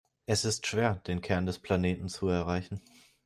Es ist schwer, den Kern des Planeten zu erreichen.